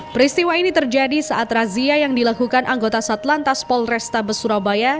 peristiwa ini terjadi saat razia yang dilakukan anggota satlantas polrestabes surabaya